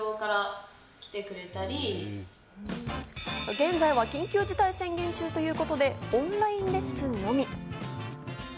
現在は緊急事態宣言中ということでオンラインレッスンのみ。